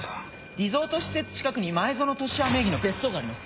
リゾート施設近くに前薗俊哉名義の別荘があります。